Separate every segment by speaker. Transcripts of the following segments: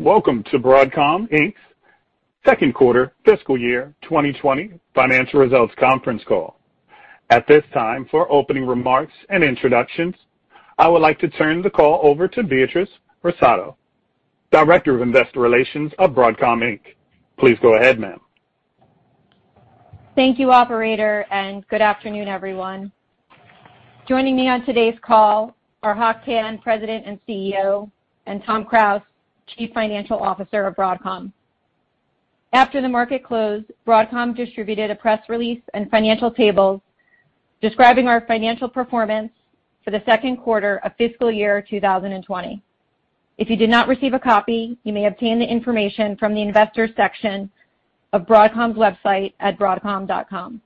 Speaker 1: Welcome to Broadcom Inc.'s second quarter fiscal year 2020 financial results conference call. At this time, for opening remarks and introductions, I would like to turn the call over to Beatrice Russotto, Director of Investor Relations of Broadcom Inc. Please go ahead, ma'am.
Speaker 2: Thank you, operator. Good afternoon, everyone. Joining me on today's call are Hock Tan, President and CEO, and Tom Krause, Chief Financial Officer of Broadcom. After the market closed, Broadcom distributed a press release and financial tables describing our financial performance for the second quarter of fiscal year 2020. If you did not receive a copy, you may obtain the information from the Investors section of Broadcom's website at broadcom.com.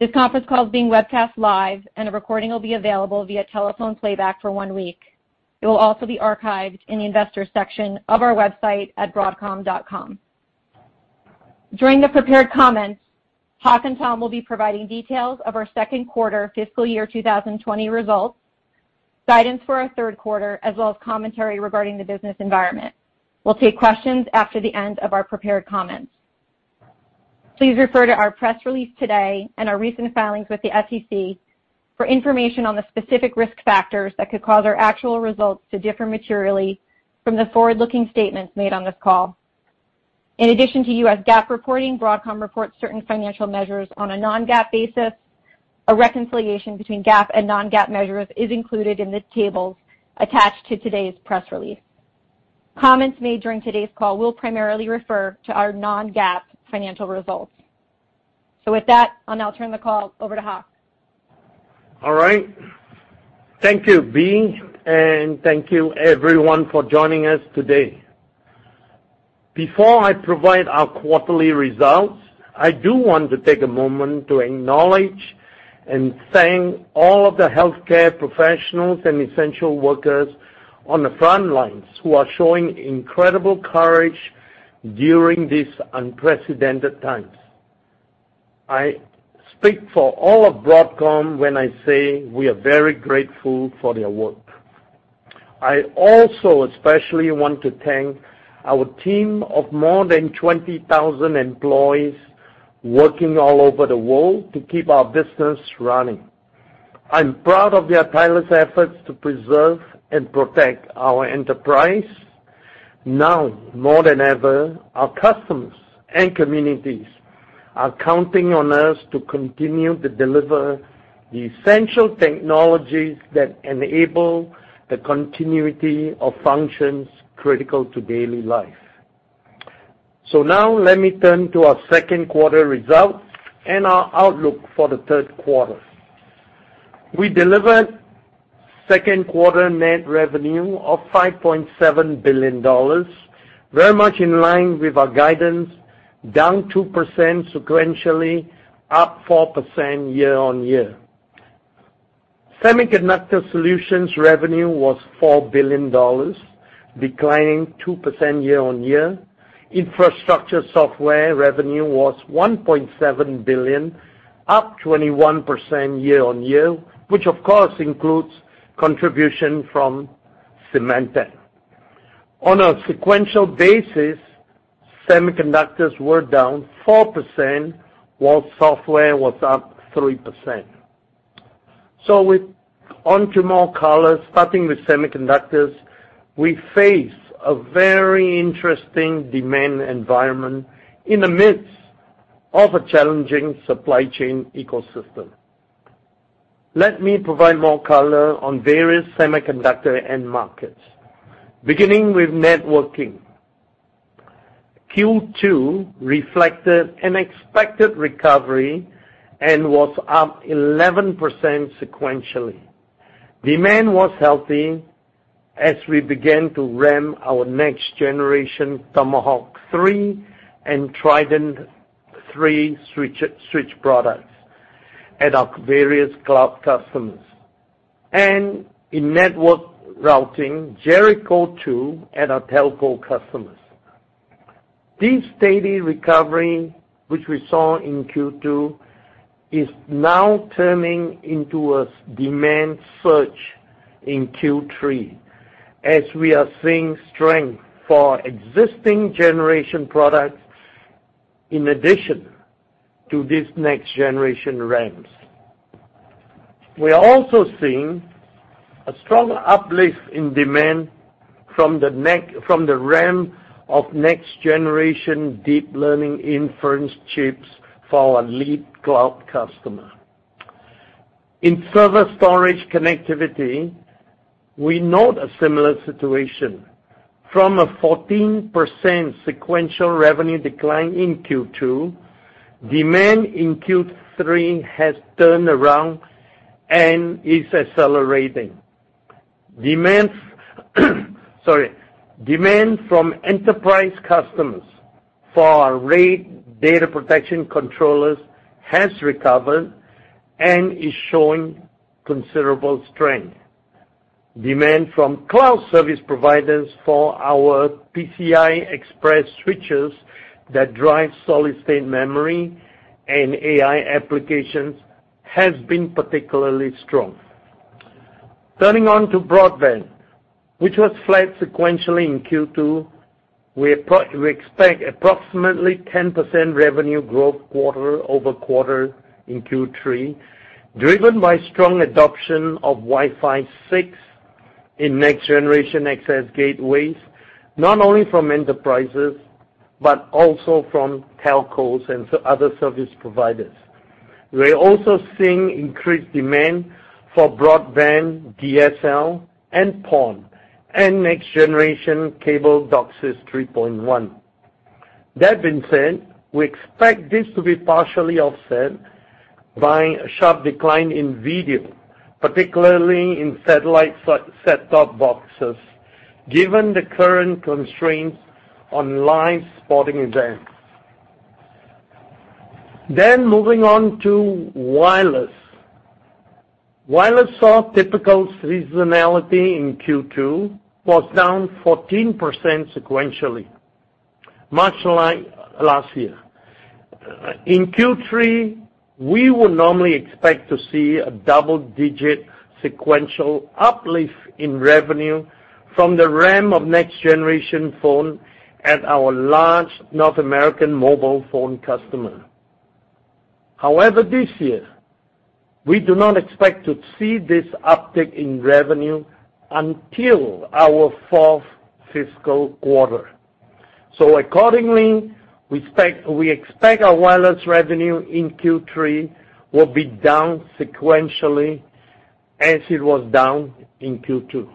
Speaker 2: This conference call is being webcast live. A recording will be available via telephone playback for one week. It will also be archived in the Investors section of our website at broadcom.com. During the prepared comments, Hock and Tom will be providing details of our second quarter fiscal year 2020 results and guidance for our third quarter, as well as commentary regarding the business environment. We'll take questions after the end of our prepared comments. Please refer to our press release today and our recent filings with the SEC for information on the specific risk factors that could cause our actual results to differ materially from the forward-looking statements made on this call. In addition to US GAAP reporting, Broadcom reports certain financial measures on a non-GAAP basis. A reconciliation between GAAP and non-GAAP measures is included in the tables attached to today's press release. Comments made during today's call will primarily refer to our non-GAAP financial results. With that, I'll now turn the call over to Hock.
Speaker 3: All right. Thank you, Bea. thank you everyone for joining us today. Before I provide our quarterly results, I do want to take a moment to acknowledge and thank all of the healthcare professionals and essential workers on the front lines who are showing incredible courage during these unprecedented times. I speak for all of Broadcom when I say we are very grateful for their work. I also especially want to thank our team of more than 20,000 employees working all over the world to keep our business running. I'm proud of their tireless efforts to preserve and protect our enterprise. Now more than ever, our customers and communities are counting on us to continue to deliver the essential technologies that enable the continuity of functions critical to daily life. Now let me turn to our second quarter results and our outlook for the third quarter. We delivered second-quarter net revenue of $5.7 billion, very much in line with our guidance, down 2% sequentially and up 4% year-on-year. Semiconductor solutions revenue was $4 billion, declining 2% year-on-year. Infrastructure software revenue was $1.7 billion, up 21% year-on-year, which, of course, includes contributions from Symantec. On a sequential basis, semiconductors were down 4%, while software was up 3%. On to more color, starting with semiconductors. We face a very interesting demand environment in the midst of a challenging supply chain ecosystem. Let me provide more color on various semiconductor end markets, beginning with networking. Q2 reflected an expected recovery and was up 11% sequentially. Demand was healthy as we began to ramp our next-generation Tomahawk 3 and Trident 3 switch products at our various cloud customers and in network routing, Jericho2, at our telco customers. This steady recovery, which we saw in Q2, is now turning into a demand surge in Q3 as we are seeing strength for existing generation products in addition to these next-generation ramps. We are also seeing a strong uplift in demand from the ramp of next-generation deep learning inference chips for our lead cloud customer. In server storage connectivity, we note a similar situation. From a 14% sequential revenue decline in Q2, demand in Q3 has turned around and is accelerating. Sorry. Demand from enterprise customers for our RAID data protection controllers has recovered and is showing considerable strength. Demand from cloud service providers for our PCI Express switches that drive solid-state memory and AI applications has been particularly strong. Turning on to broadband, which was flat sequentially in Q2. We expect approximately 10% revenue growth quarter-over-quarter in Q3, driven by strong adoption of Wi-Fi 6 in next-generation access gateways, not only from enterprises but also from telcos and other service providers. We are also seeing increased demand for broadband DSL and PON, next-generation cable DOCSIS 3.1. That being said, we expect this to be partially offset by a sharp decline in video, particularly in satellite set-top boxes, given the current constraints on live sporting events. Moving on to wireless. Wireless saw typical seasonality in Q2, was down 14% sequentially, much like last year. In Q3, we would normally expect to see a double-digit sequential uplift in revenue from the ramp of the next-generation phone at our large North American mobile phone customer. However, this year, we do not expect to see this uptick in revenue until our fourth fiscal quarter. Accordingly, we expect our wireless revenue in Q3 will be down sequentially, as it was down in Q2.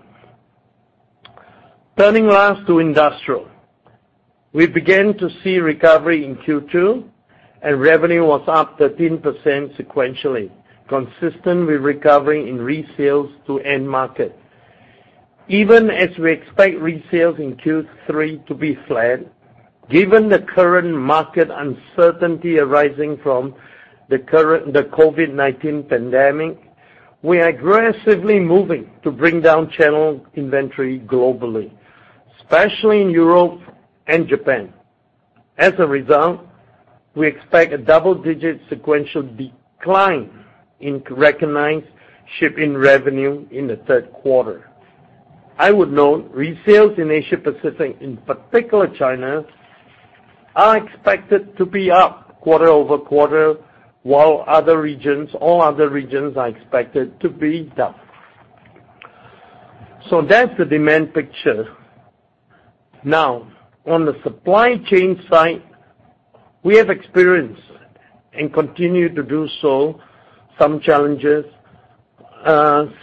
Speaker 3: Turning last to industry. We began to see recovery in Q2, and revenue was up 13% sequentially, consistent with recovery in resales to the end market. Even as we expect resales in Q3 to be flat, given the current market uncertainty arising from the COVID-19 pandemic, we are aggressively moving to bring down channel inventory globally, especially in Europe and Japan. As a result, we expect a double-digit sequential decline in recognized shipping revenue in the third quarter. I would note resales in the Asia-Pacific, in particular China, are expected to be up quarter-over-quarter, while all other regions are expected to be down. That's the demand picture. On the supply chain side, we have experienced, and continue to do so, some challenges,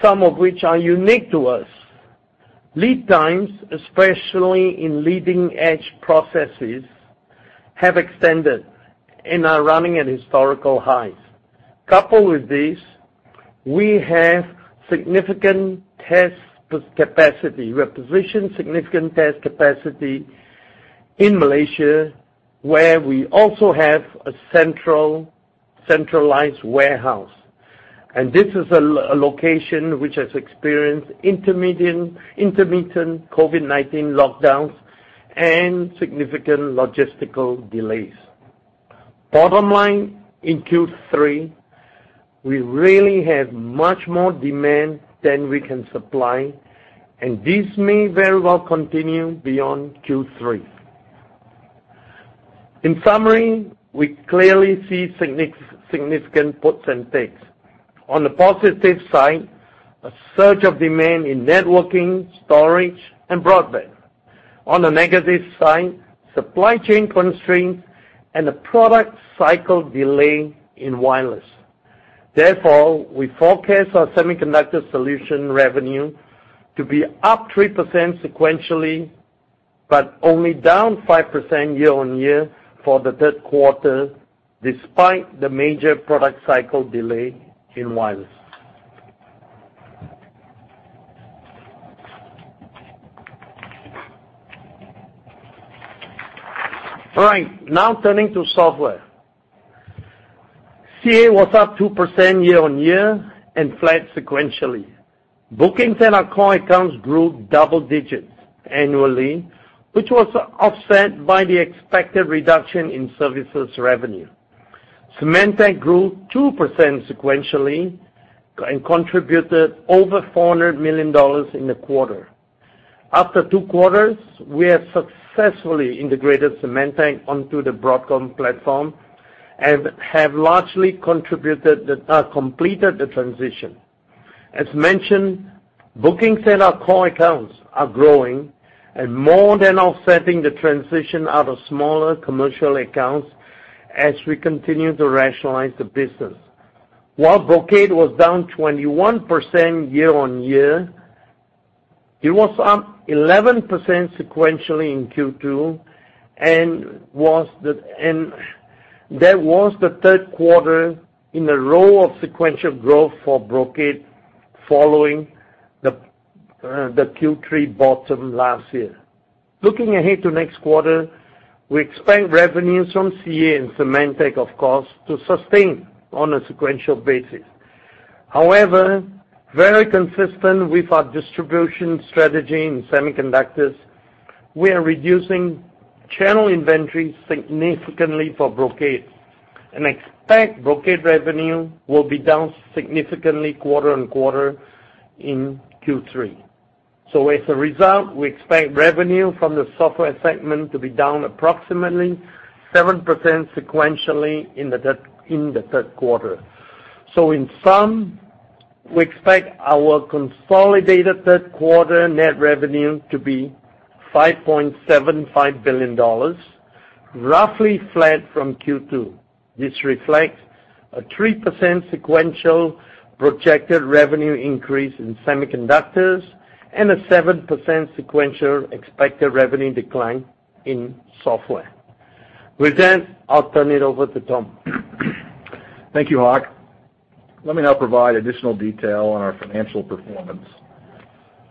Speaker 3: some of which are unique to us. Lead times, especially in leading-edge processes, have extended and are running at historical highs. Coupled with this, we have positioned significant test capacity in Malaysia, where we also have a centralized warehouse. This is a location that has experienced intermittent COVID-19 lockdowns and significant logistical delays. Bottom line, in Q3, we really have much more demand than we can supply, and this may very well continue beyond Q3. In summary, we clearly see significant puts and takes. On the positive side, a surge of demand in networking, storage, and broadband. On the negative side, supply chain constraints and a product cycle delay in wireless. Therefore, we forecast our semiconductor solution revenue to be up 3% sequentially, but only down 5% year-on-year for the third quarter, despite the major product cycle delay in wireless. All right, now turning to software. CA was up 2% year-over-year and flat sequentially. Bookings and our core accounts grew double digits annually, which was offset by the expected reduction in services revenue. Symantec grew 2% sequentially and contributed over $400 million in the quarter. After two quarters, we have successfully integrated Symantec onto the Broadcom platform and have largely completed the transition. As mentioned, bookings in our core accounts are growing and more than offsetting the transition out of smaller commercial accounts as we continue to rationalize the business. While Brocade was down 21% year-over-year, it was up 11% sequentially in Q2, and that was the third quarter in a row of sequential growth for Brocade following the Q3 bottom last year. Looking ahead to next quarter, we expect revenues from CA and Symantec, of course, to sustain on a sequential basis. Very consistent with our distribution strategy in semiconductors, we are reducing channel inventory significantly for Brocade and expect Brocade revenue will be down significantly quarter-on-quarter in Q3. As a result, we expect revenue from the software segment to be down approximately 7% sequentially in the third quarter. In sum, we expect our consolidated third quarter net revenue to be $5.75 billion, roughly flat from Q2. This reflects a 3% sequential projected revenue increase in semiconductors and a 7% sequential expected revenue decline in software. With that, I'll turn it over to Tom.
Speaker 4: Thank you, Hock. Let me now provide additional detail on our financial performance.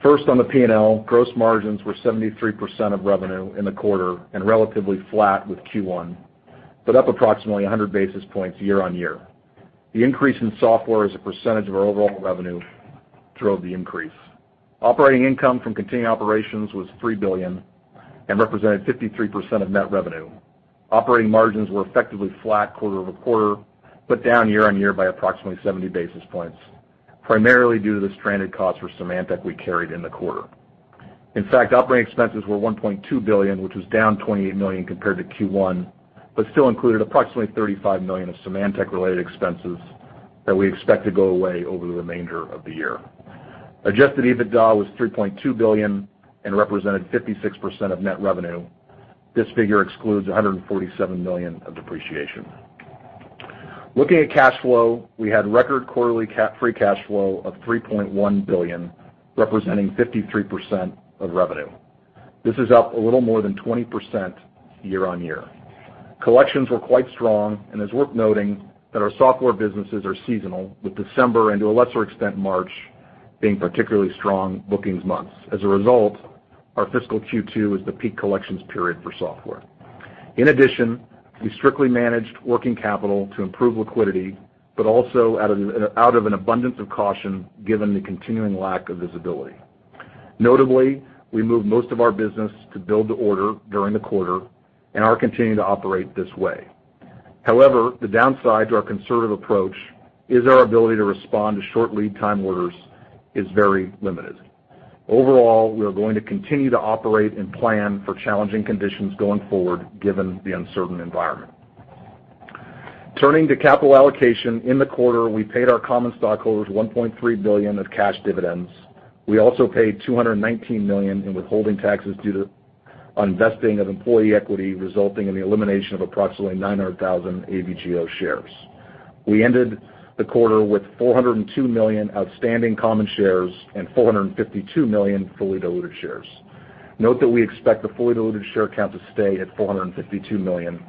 Speaker 4: First on the P&L, gross margins were 73% of revenue in the quarter and relatively flat with Q1, but up approximately 100 basis points year-on-year. The increase in software as a percentage of our overall revenue drove the increase. Operating income from continuing operations was $3 billion and represented 53% of net revenue. Operating margins were effectively flat quarter-over-quarter but down year-over-year by approximately 70 basis points, primarily due to the stranded costs for Symantec we carried in the quarter. In fact, operating expenses were $1.2 billion, which was down $28 million compared to Q1, but still included approximately $35 million of Symantec-related expenses that we expect to go away over the remainder of the year. Adjusted EBITDA was $3.2 billion and represented 56% of net revenue. This figure excludes $147 million of depreciation. Looking at cash flow, we had record quarterly free cash flow of $3.1 billion, representing 53% of revenue. This is up a little more than 20% year-on-year. Collections were quite strong, and it's worth noting that our software businesses are seasonal, with December and, to a lesser extent March being particularly strong bookings months. As a result, our fiscal Q2 is the peak collections period for software. In addition, we strictly managed working capital to improve liquidity, but also out of an abundance of caution given the continuing lack of visibility. Notably, we moved most of our business to build to order during the quarter and are continuing to operate this way. However, the downside to our conservative approach is our ability to respond to short lead time orders is very limited. Overall, we are going to continue to operate and plan for challenging conditions going forward given the uncertain environment. Turning to capital allocation. In the quarter, we paid our common stockholders $1.3 billion of cash dividends. We also paid $219 million in withholding taxes due to vesting of employee equity, resulting in the elimination of approximately 900,000 AVGO shares. We ended the quarter with 402 million outstanding common shares and 452 million fully diluted shares. Note that we expect the fully diluted share count to stay at 452 million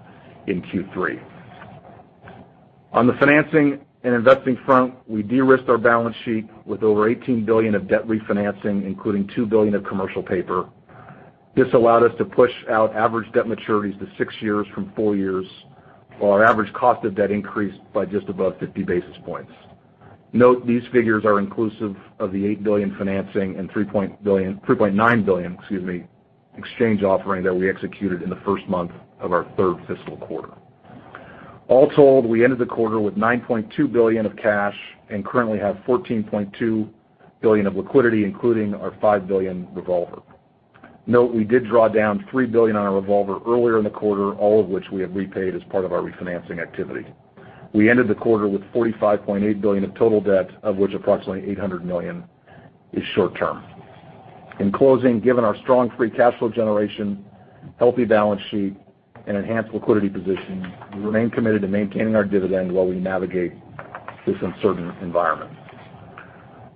Speaker 4: in Q3. On the financing and investing front, we de-risked our balance sheet with over $18 billion of debt refinancing, including $2 billion of commercial paper. This allowed us to push out average debt maturities to six years from four years, while our average cost of debt increased by just above 50 basis points. Note, these figures are inclusive of the $8 billion financing and $3.9 billion exchange offering that we executed in the first month of our third fiscal quarter. All told, we ended the quarter with $9.2 billion of cash and currently have $14.2 billion of liquidity, including our $5 billion revolver. Note: we did draw down $3 billion on our revolver earlier in the quarter, all of which we have repaid as part of our refinancing activity. We ended the quarter with $45.8 billion of total debt, of which approximately $800 million is short-term. In closing, given our strong free cash flow generation, healthy balance sheet, and enhanced liquidity position, we remain committed to maintaining our dividend while we navigate this uncertain environment.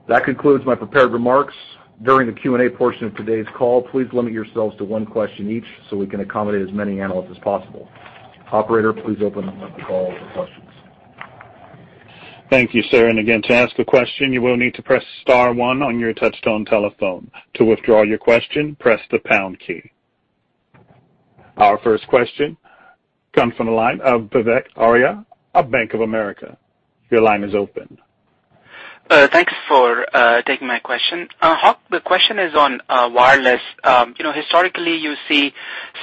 Speaker 4: That concludes my prepared remarks. During the Q&A portion of today's call, please limit yourselves to one question each so we can accommodate as many analysts as possible. Operator, please open up the call for questions.
Speaker 1: Thank you, sir. Again, to ask a question, you will need to press star one on your touchtone telephone. To withdraw your question, press the pound key. Our first question comes from the line of Vivek Arya of Bank of America. Your line is open.
Speaker 5: Thanks for taking my question. Hock, the question is about wireless. Historically, you see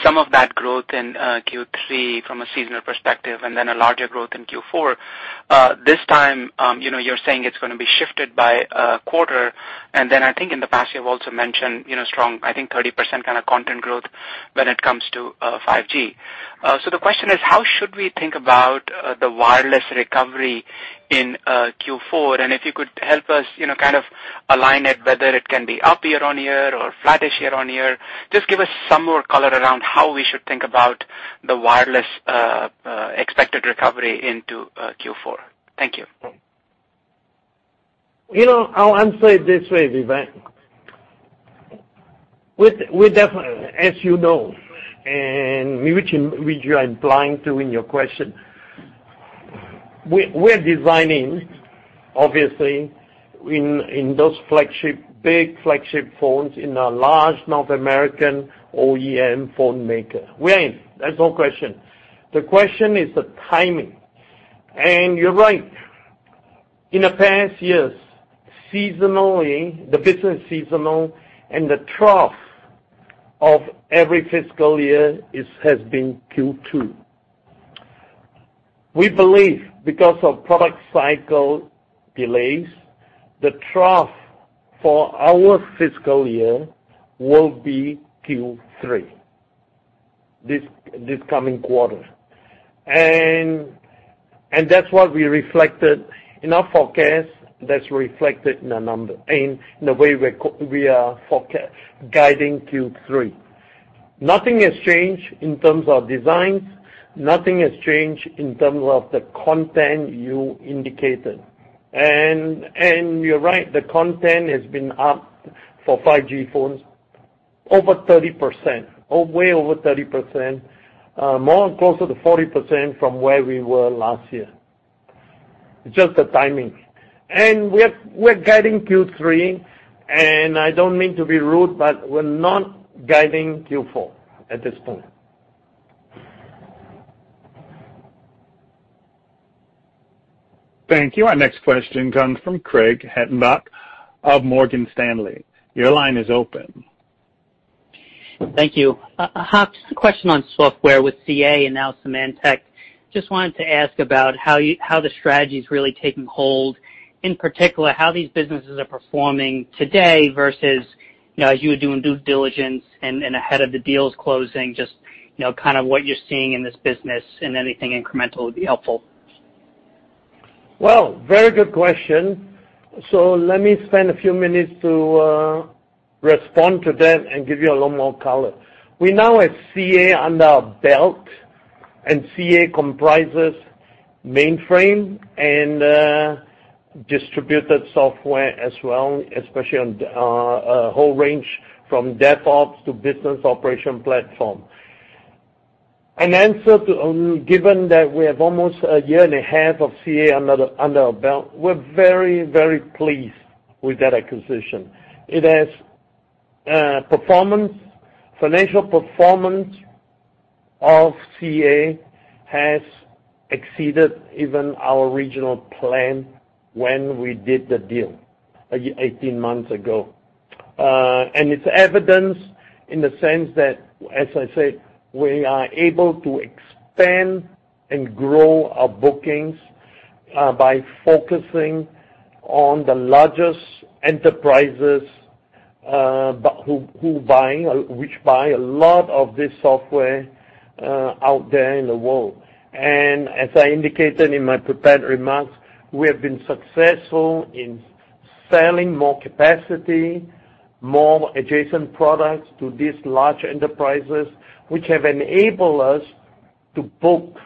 Speaker 5: some of that growth in Q3 from a seasonal perspective and then larger growth in Q4. This time, you're saying it's going to be shifted by a quarter, and then I think in the past you have also mentioned strong, I think 30% kind of content growth when it comes to 5G. The question is, how should we think about the wireless recovery in Q4? If you could help us kind of align it, whether it can be up year-over-year or flattish year-over-year. Just give us some more color around how we should think about the wireless expected recovery into Q4. Thank you.
Speaker 3: I'll answer it this way, Vivek. As you know, and as you are implying in your question, we're designing, obviously, those big flagship phones in a large North American OEM phone maker. We are in, there's no question. The question is the timing. You're right. In the past years, seasonally, the business has been seasonal, and the trough of every fiscal year has been Q2. We believe because of product cycle delays, the trough for our fiscal year will be Q3, this coming quarter. That's what we reflected in our forecast; that's reflected in the number and in the way we are guiding Q3. Nothing has changed in terms of designs. Nothing has changed in terms of the content you indicated. You're right, the content has been up for 5G phones over 30%, way over 30%, closer to 40% from where we were last year. It's just the timing. We're guiding Q3, and I don't mean to be rude, but we're not guiding Q4 at this point.
Speaker 1: Thank you. Our next question comes from Craig Hettenbach of Morgan Stanley. Your line is open.
Speaker 6: Thank you. Hock, just a question on software with CA and now Symantec. Just wanted to ask about how the strategy's really taking hold, in particular, how these businesses are performing today versus, as you were doing due diligence and ahead of the deals closing, just kind of what you're seeing in this business, and anything incremental would be helpful.
Speaker 3: Well, very good question. Let me spend a few minutes to respond to that and give you a little more color. We now have CA under our belt, and CA comprises mainframe and distributed software as well, especially on a whole range from DevOps to business operation platforms. An answer, given that we have almost a year and a half of CA under our belt, we're very pleased with that acquisition. Financial performance of CA has exceeded even our original plan when we did the deal 18 months ago. It's evidenced in the sense that, as I said, we are able to expand and grow our bookings by focusing on the largest enterprises, which buy a lot of this software out there in the world. As I indicated in my prepared remarks, we have been successful in selling more capacity and more adjacent products to these large enterprises, which have enabled us to book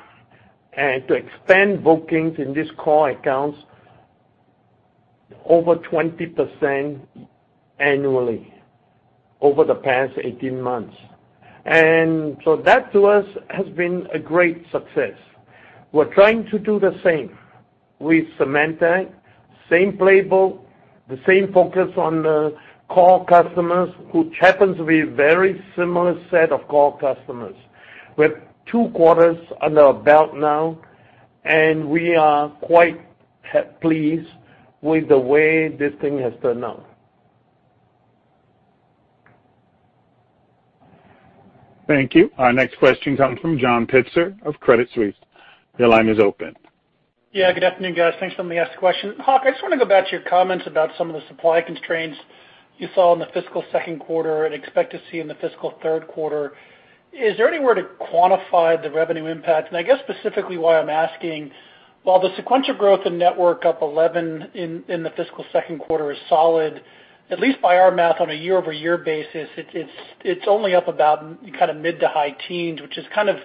Speaker 3: and to expand bookings in these core accounts by over 20% annually over the past 18 months. That to us has been a great success. We're trying to do the same with Symantec, the same playbook, and the same focus on the core customers, which happens to be a very similar set of core customers. We have two quarters under our belt now, and we are quite pleased with the way this thing has turned out.
Speaker 1: Thank you. Our next question comes from John Pitzer of Credit Suisse. Your line is open.
Speaker 7: Yeah. Good afternoon, guys. Thanks for letting me ask a question. Hock, I just want to go back to your comments about some of the supply constraints you saw in the fiscal second quarter and expect to see in the fiscal third quarter. Is there anywhere to quantify the revenue impact? I guess specifically why I'm asking is, while the sequential growth in network up 11 in the fiscal second quarter is solid, at least by our math on a year-over-year basis, it's only up about kind of mid- to high teens, which is kind of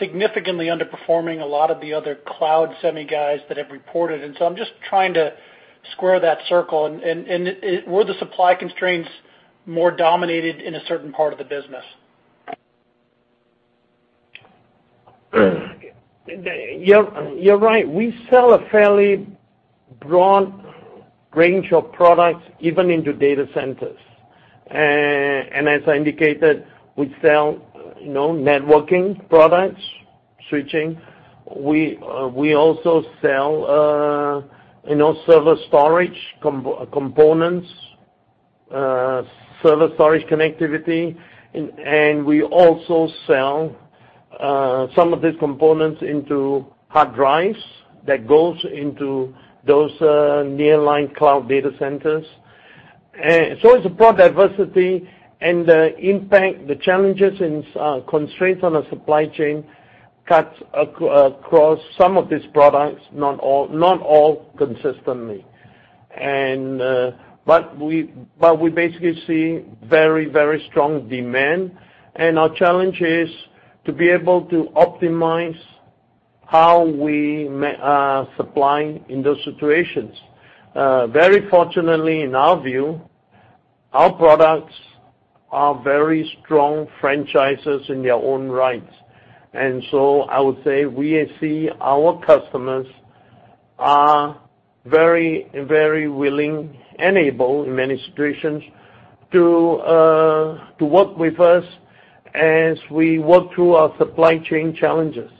Speaker 7: significantly underperforming a lot of the other cloud semi guys that have reported. I'm just trying to square that circle. Were the supply constraints more dominated in a certain part of the business?
Speaker 3: You're right. We sell a fairly broad range of products, even into data centers. As I indicated, we sell networking products, switching. We also sell server storage components and server storage connectivity, and we also sell some of these components as hard drives that go into those nearline cloud data centers. It's a broad diversity, and the impact, the challenges, and the constraints on the supply chain cut across some of these products, not all consistently. We basically see very strong demand, and our challenge is to be able to optimize how we supply in those situations. Very fortunately, in our view, our products are very strong franchises in their own rights. I would say we see our customers are very willing and able in many situations to work with us as we work through our supply chain challenges.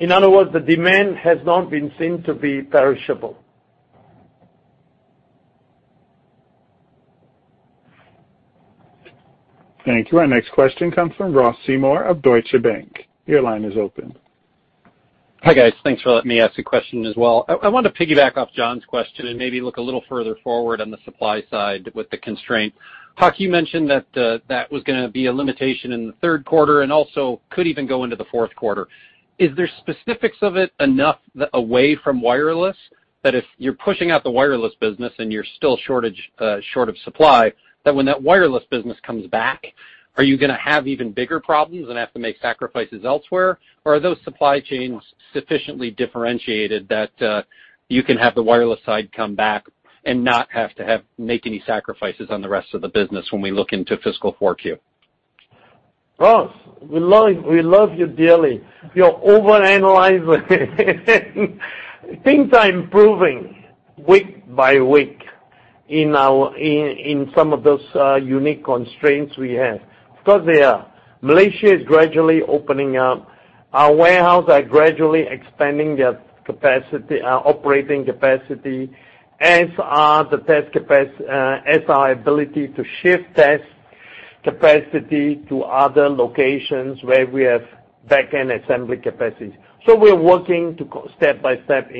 Speaker 3: In other words, the demand has not been seen to be perishable.
Speaker 1: Thank you. Our next question comes from Ross Seymore of Deutsche Bank. Your line is open.
Speaker 8: Hi guys. Thanks for letting me ask a question as well. I want to piggyback off John's question and maybe look a little further forward on the supply side with the constraint. Hock, you mentioned that was going to be a limitation in the third quarter and also could even go into the fourth quarter. Is there specifics of it enough away from wireless that if you're pushing out the wireless business and you're still short of supply, when that wireless business comes back, are you going to have even bigger problems and have to make sacrifices elsewhere? Are those supply chains sufficiently differentiated so that you can have the wireless side come back and not have to make any sacrifices on the rest of the business when we look into fiscal 4Q?
Speaker 3: Ross, we love you dearly. You're over-analyzing. Things are improving week by week in some of those unique constraints we have. Of course, they are. Malaysia is gradually opening up. Our warehouses are gradually expanding their operating capacity, as is the test capacity, as our ability to shift test capacity to other locations where we have backend assembly capacity. We're working to increase it step by step,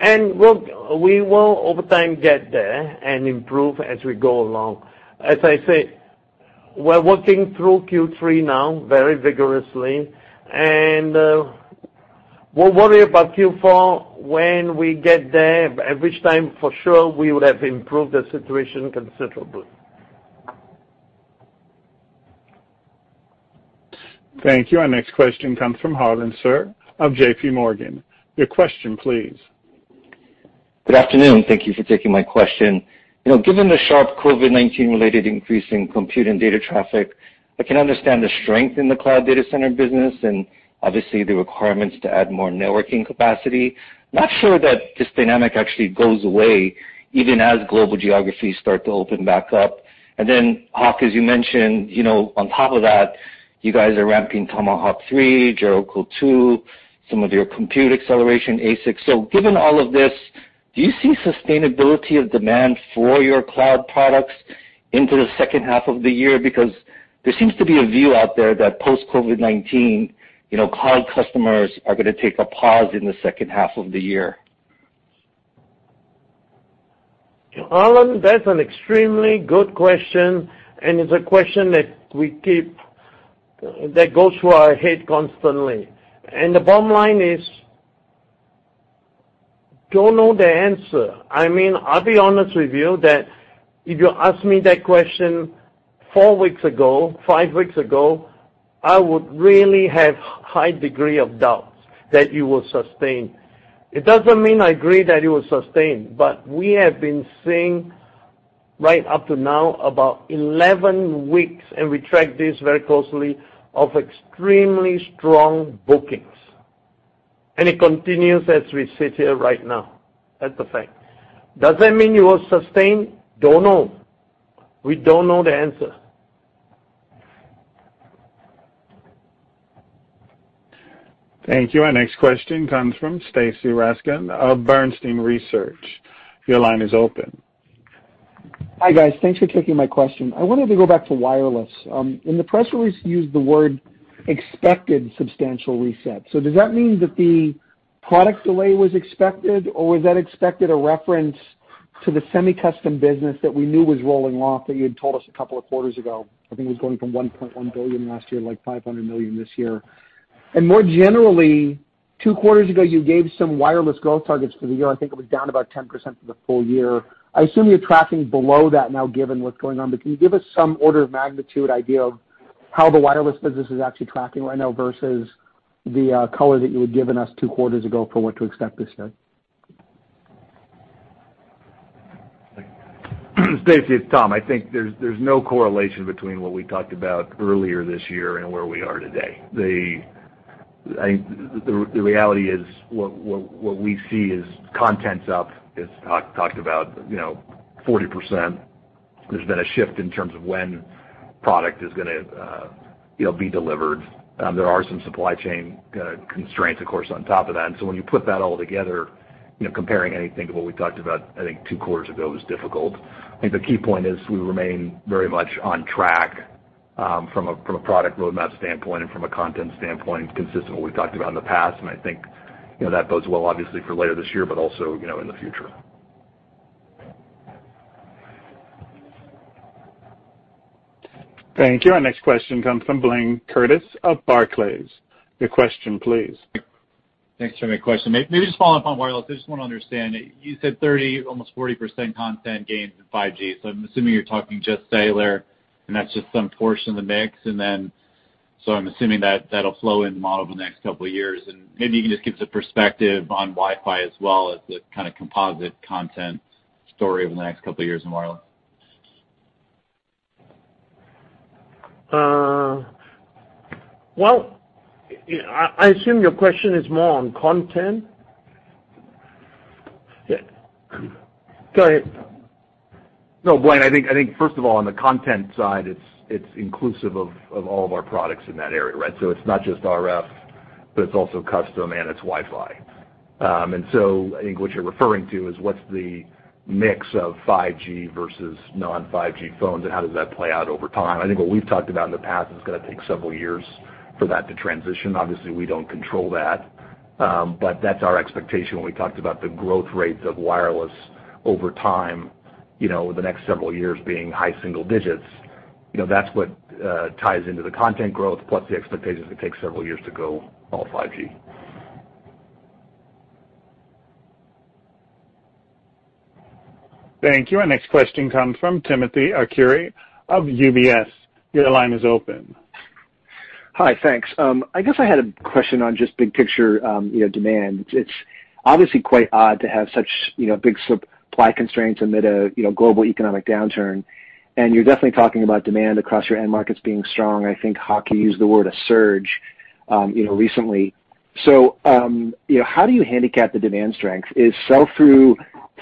Speaker 3: and we will, over time, get there and improve as we go along. As I said, we're working through Q3 now very vigorously, and we'll worry about Q4 when we get there. By which time, for sure, we would have improved the situation considerably.
Speaker 1: Thank you. Our next question comes from Harlan Sur of JPMorgan. Your question, please.
Speaker 9: Good afternoon. Thank you for taking my question. Given the sharp COVID-19 related increase in compute and data traffic, I can understand the strength in the cloud data center business and obviously the requirements to add more networking capacity. Not sure that this dynamic actually goes away even as global geographies start to open back up. Hock, as you mentioned, on top of that, you guys are ramping Tomahawk 3, Jericho2, and some of your compute acceleration ASICs. Given all of this, do you see sustainability of demand for your cloud products into the second half of the year? Because there seems to be a view out there that post-COVID-19 cloud customers are going to take a pause in the second half of the year.
Speaker 3: Harlan, that's an extremely good question, and it's a question that goes through our heads constantly. The bottom line is, don't know the answer. I'll be honest with you that if you had asked me that question four weeks ago, five weeks ago, I would really have had a high degree of doubts that it would sustain. It doesn't mean I agree that it will sustain, but we have been seeing, right up to now, about 11 weeks, and we track this very closely, extremely strong bookings, and it continues as we sit here right now. That's a fact. Does that mean it will sustain? Don't know. We don't know the answer.
Speaker 1: Thank you. Our next question comes from Stacy Rasgon of Bernstein Research. Your line is open.
Speaker 10: Hi, guys. Thanks for taking my question. I wanted to go back to wireless. In the press release, you used the words "expected substantial reset." Does that mean that the product delay was expected, or was that expected a reference to the semi-custom business that we knew was rolling off that you had told us a couple of quarters ago? I think it was going from $1.1 billion last year to $500 million this year. More generally, two quarters ago, you gave some wireless growth targets for the year. I think it was down about 10% for the full year. I assume you're tracking below that now given what's going on. Can you give us some order of magnitude idea of how the wireless business is actually tracking right now versus the color that you had given us two quarters ago for what to expect this year?
Speaker 4: Stacy, it's Tom. I think there's no correlation between what we talked about earlier this year and where we are today. The reality is what we see is content's up, as Hock talked about 40%. There's been a shift in terms of when the product is going to be delivered. There are some supply chain constraints, of course, on top of that. When you put that all together, comparing anything to what we talked about, I think two quarters ago is difficult. I think the key point is we remain very much on track, from a product roadmap standpoint and from a content standpoint, consistent with what we've talked about in the past. I think that bodes well, obviously, for later this year but also in the future.
Speaker 1: Thank you. Our next question comes from Blayne Curtis of Barclays. Your question, please.
Speaker 11: Thanks for taking my question. Maybe just following up on wireless, I just want to understand. You said 30%, almost 40% content gains in 5G. I'm assuming you're talking just cellular, and that's just some portion of the mix. I'm assuming that'll flow in the model for the next couple of years, and maybe you can just give us a perspective on Wi-Fi as well as the kind of composite content story over the next couple of years in wireless.
Speaker 3: Well, I assume your question is more on content. Yeah. Go ahead.
Speaker 4: No, Blayne, I think, first of all, on the content side, it's inclusive of all of our products in that area, right? It's not just RF, but it's also custom, and it's Wi-Fi. I think what you're referring to is what's the mix of 5G versus non-5G phones, and how does that play out over time? I think, based on what we've talked about in the past, it's going to take several years for that to transition. Obviously, we don't control that. That's our expectation when we talk about the growth rates of wireless over time, the next several years being high single digits. That's what ties into the content growth, plus the expectation that it takes several years to go all 5G.
Speaker 1: Thank you. Our next question comes from Timothy Arcuri of UBS. Your line is open.
Speaker 12: Hi. Thanks. I guess I had a question on just the big picture demand. It's obviously quite odd to have such big supply constraints amid a global economic downturn, and you're definitely talking about demand across your end markets being strong. I think Hock used the word "surge" recently. How do you handicap the demand strength? Is sell-through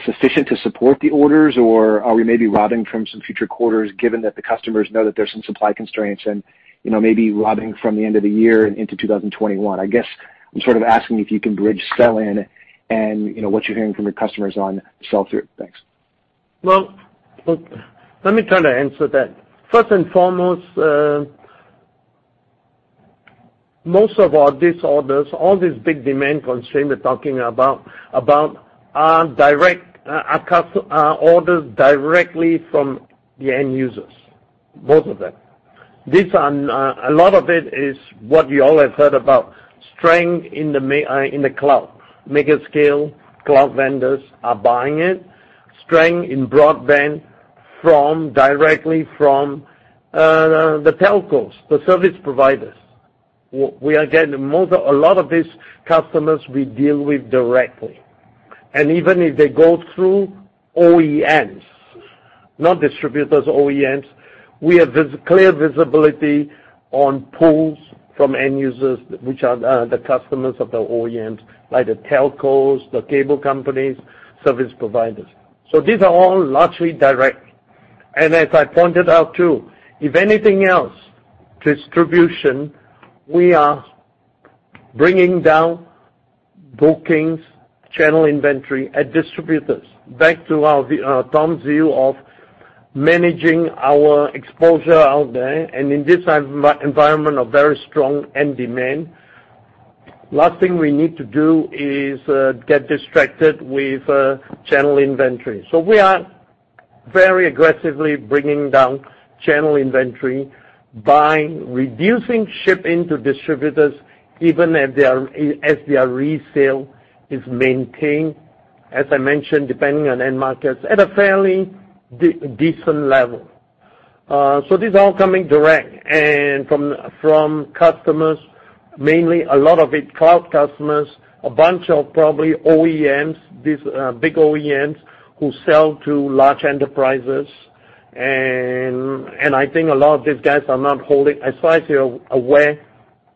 Speaker 12: sufficient to support the orders, or are we maybe robbing from some future quarters, given that the customers know that there's some supply constraints and maybe robbing from the end of the year into 2021? I guess I'm sort of asking if you can bridge sell-in and what you're hearing from your customers on sell-through. Thanks.
Speaker 3: Well, let me try to answer that. First and foremost, most of these orders, all this big demand constraint we're talking about, are orders directly from the end users, both of them. A lot of it is what you all have heard about, strength in the cloud. Mega-scale cloud vendors are buying it. Strength in broadband directly from the telcos, the service providers. A lot of these customers we deal with directly. Even if they go through OEMs, not distributors, we have clear visibility on pulls from end users, which are the customers of the OEMs, like the telcos, the cable companies, and service providers. These are all largely direct. As I pointed out, too, if anything else, distribution, we are bringing down bookings and channel inventory at distributors. Back to Tom's view of managing our exposure out there and in this environment of very strong end demand, the last thing we need to do is get distracted with channel inventory. We are very aggressively bringing down channel inventory by reducing shipments into distributors, even as their resale is maintained, as I mentioned, depending on end markets, at a fairly decent level. These are all coming direct and from customers, mainly a lot of it cloud customers and a bunch of probably OEMs, these big OEMs who sell to large enterprises. I think a lot of these guys are not holding; as far as you're aware,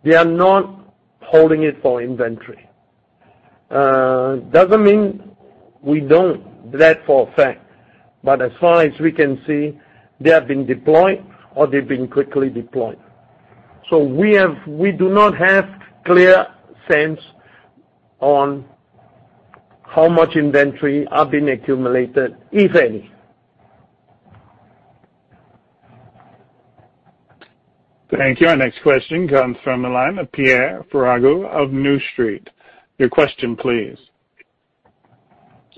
Speaker 3: they are not holding it for inventory. Doesn't mean we know that for a fact, but as far as we can see, they have been deployed, or they've been quickly deployed. We do not have a clear sense of how much inventory is being accumulated, if any.
Speaker 1: Thank you. Our next question comes from the line of Pierre Ferragu of New Street. Your question, please.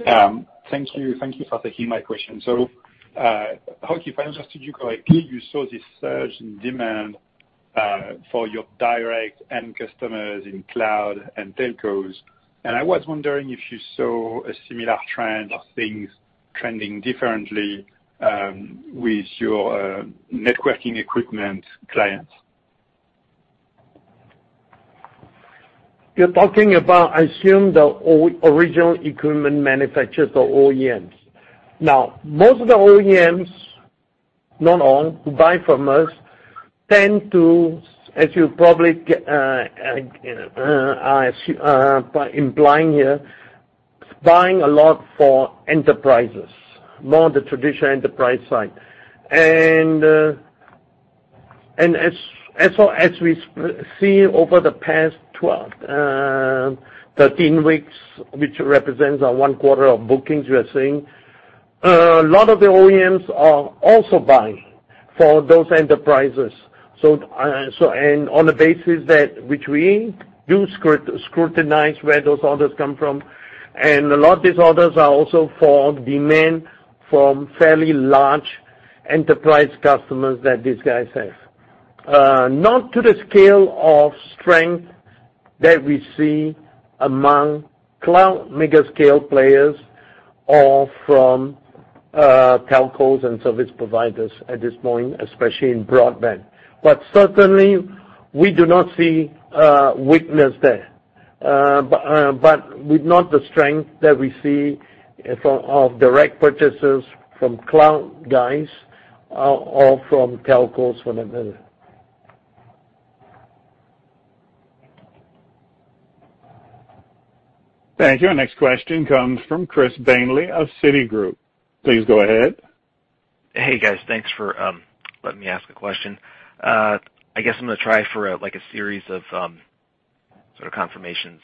Speaker 13: Thank you for taking my question. Hock, if I understood you correctly, you saw this surge in demand for your direct end customers in cloud and telcos, and I was wondering if you saw a similar trend of things trending differently with your networking equipment clients.
Speaker 3: You're talking about, I assume, the original equipment manufacturers or OEMs. Now, most of the OEMs, not all, who buy from us tend to, as you probably are implying here, buy a lot for enterprises, more on the traditional enterprise side. As we see over the past 12-13 weeks, which represents our one quarter of bookings, we are seeing a lot of the OEMs are also buying for those enterprises. On the basis of that, which we do scrutinize, where do those orders come from, and a lot of these orders are also for demand from fairly large enterprise customers that these guys have. Not to the scale of strength that we see among cloud megascale players or from telcos and service providers at this point, especially in broadband. Certainly, we do not see a weakness there. With not the strength that we see of direct purchases from cloud guys or from telcos, whatever it is.
Speaker 1: Thank you. Our next question comes from Chris Danely of Citigroup. Please go ahead.
Speaker 14: Hey, guys. Thanks for letting me ask a question. I guess I'm going to try for a series of sort of confirmations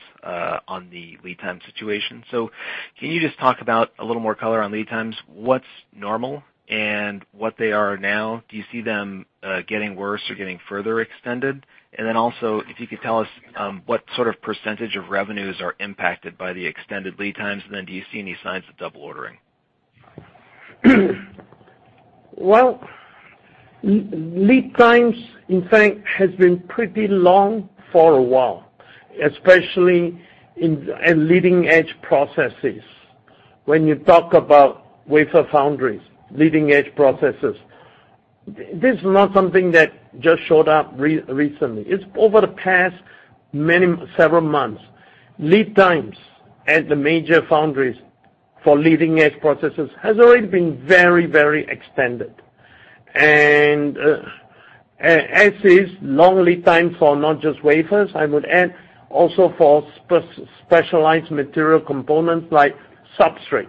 Speaker 14: on the lead time situation. Can you just talk about a little more color on lead times, what's normal, and what they are now? Do you see them getting worse or getting further extended? Also, if you could tell us what sort of percentage of revenues are impacted by the extended lead times, and then do you see any signs of double ordering?
Speaker 3: Well, lead times, in fact, have been pretty long for a while, especially in leading-edge processes. When you talk about wafer foundries and leading-edge processes, this is not something that just showed up recently. It's over the past several months. Lead times at the major foundries for leading-edge processes have already been very extended. As there is a long lead time for not just wafers, I would add also for specialized material components like substrates.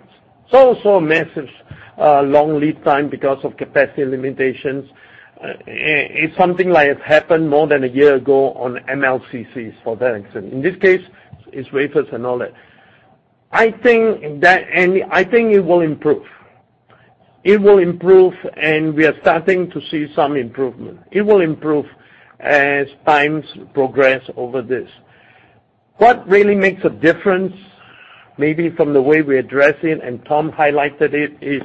Speaker 3: Massive long lead time because of capacity limitations. It's something that happened more than a year ago on MLCCs, for that instance. In this case, it's wafers and all that. I think it will improve. It will improve, and we are starting to see some improvement. It will improve as times progress over this. What really makes a difference, maybe from the way we address it, and Tom highlighted it, is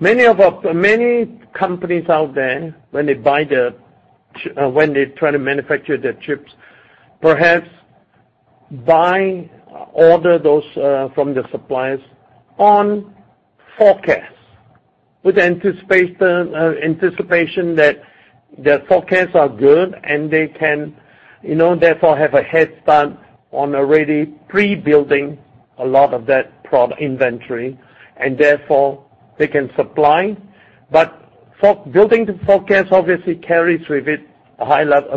Speaker 3: that many companies out there, when they try to manufacture their chips, perhaps buy or order those from the suppliers on forecasts with the anticipation that their forecasts are good and they can therefore have a head start on already pre-building a lot of that product inventory, and therefore they can supply. Building the forecast obviously carries with it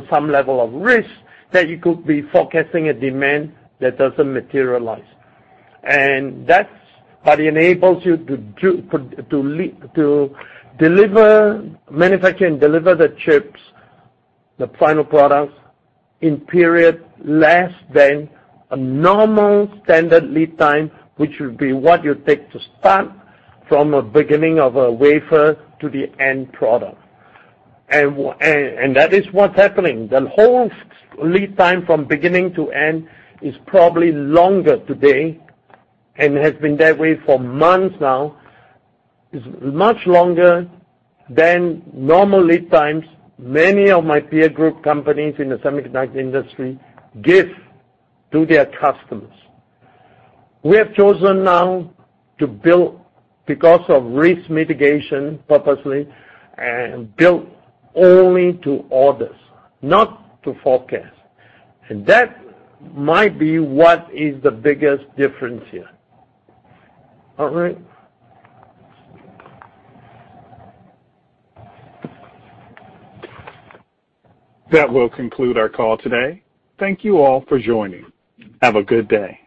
Speaker 3: some level of risk that you could be forecasting a demand that doesn't materialize. That's what enables you to manufacture and deliver the chips, the final products, in a period less than a normal standard lead time, which would be what you take to start from the beginning of a wafer to the end product. That is what's happening. The whole lead time from beginning to end is probably longer today and has been that way for months now. It's much longer than normal lead times many of my peer group companies in the semiconductor industry give to their customers. We have chosen now to build because of risk mitigation purposes and build only to orders, not to forecast. That might be what is the biggest difference here. All right.
Speaker 1: That will conclude our call today. Thank you all for joining. Have a good day.